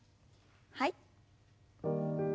はい。